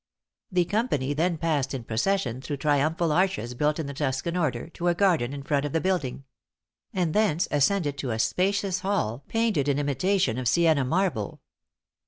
The company then passed in procession through triumphal arches built in the Tuscan order, to a garden in front of the building; and thence ascended to a spacious hall painted in imitation of Sienna marble.